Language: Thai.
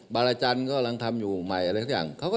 บารจันทร์กำลังทำอยู่ใหม่อะไรสักอย่าง